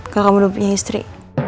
kalau kamu udah punya istri